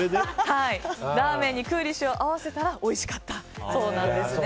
ラーメンにクーリッシュを合わせたらおいしかったそうなんです。